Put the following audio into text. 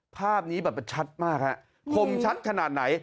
ภาพนี้แบบชัดมากครับคมชัดขนาดไหน